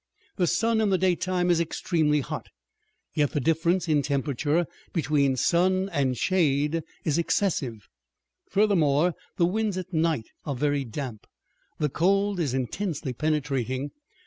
The sun in the daytime is extremely hot, yet the difference in temperature between sun and shade is excessive. Furthermore, the winds at night are very damp; the cold is intensely penetrating.